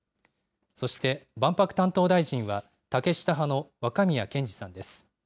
そして万博担当大臣は竹下派の若宮健嗣さんです。